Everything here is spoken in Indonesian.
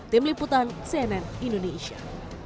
tim liputan cnn indonesia